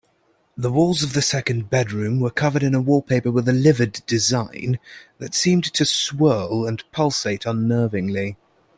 The walls of the second bedroom were covered in a wallpaper with a livid design that seemed to swirl and pulsate unnervingly.